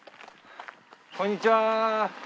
こんにちは。